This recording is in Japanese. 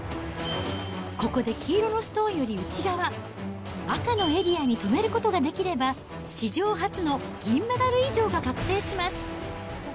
ここで黄色のストーンより内側、赤のエリアに止めることができれば、史上初の銀メダル以上が確定します。